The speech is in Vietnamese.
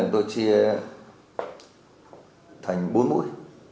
tôi chia thành bốn mũi